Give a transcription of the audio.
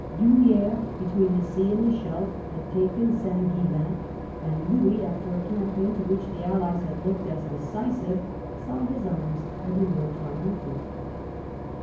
D'Humi£res, between the sea and the Scheldt, had taken St. Ghislain, and Louis, after a campaign to which the allies had looked as decisive, saw his arms everywhere triumphant.